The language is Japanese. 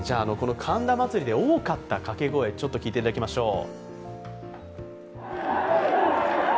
神田祭で多かった掛け声ちょっと聞いていただきましょう。